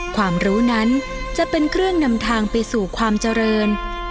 ความรู้นั้นจะเป็นเครื่องนำทางไปสู่ความเจริญ